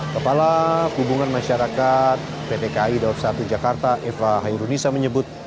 kepala hubungan masyarakat pt kai dawab satu jakarta eva hairunisa menyebut